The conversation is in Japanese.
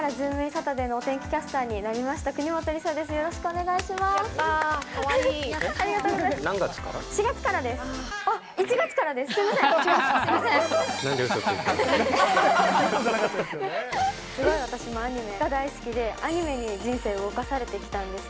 サタデーのお天気キャスターになりました国本梨紗です、よろしくお願いします。